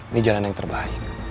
ini jalan yang terbaik